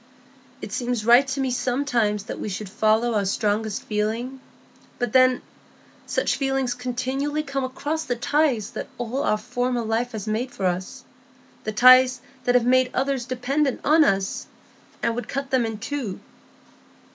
It seems right to me sometimes that we should follow our strongest feeling; but then, such feelings continually come across the ties that all our former life has made for us,—the ties that have made others dependent on us,—and would cut them in two.